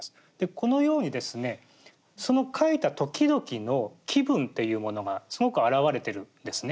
このようにですねその書いたときどきの気分っていうものがすごく表れてるんですね。